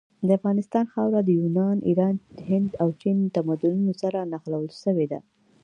د افغانستان خاوره د یونان، ایران، هند او چین تمدنونو سره نښلول سوي ده.